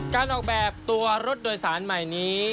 การออกแบบตัวรถโดยสารใหม่นี้